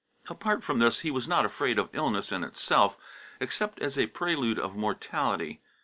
Apart from this, he was not afraid of illness in itself, except as a prelude of mortality.